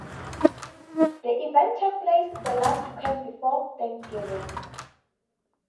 The event takes place the last weekend before Thanksgiving.